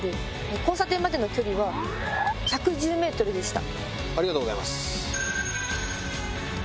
交差点までの距離は１１０ｍでした。